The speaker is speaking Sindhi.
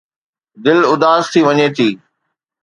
دل اداس ٿي وڃي ٿي.